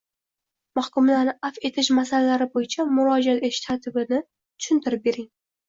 Mahkumlarni afv etish masalalari bo‘yicha murojaat etish tartibini tushuntirib bering.